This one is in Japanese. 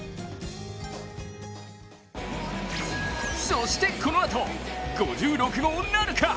そしてこのあと５６号なるか。